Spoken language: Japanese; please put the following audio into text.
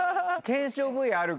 検証ＶＴＲ。